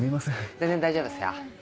全然大丈夫っすよ。